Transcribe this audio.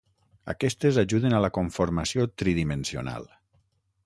Aquestes ajuden a la conformació tridimensional.